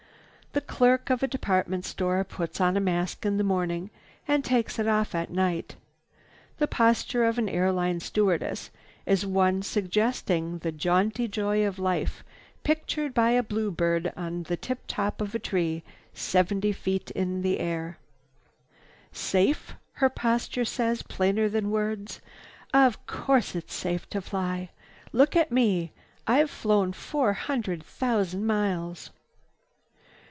The clerk of a department store puts on a mask in the morning and takes it off at night. The posture of an airplane stewardess is one suggesting the jaunty joy of life pictured by a blue bird on the tiptop of a tree, seventy feet in air. "Safe?" her posture says plainer than words. "Of course it's safe to fly. Look at me, I've flown four hundred thousand miles."